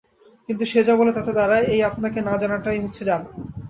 কিন্তু সে যা বলে তাতে দাঁড়ায় এই আপনাকে না-জানাটাই হচ্ছে জানা।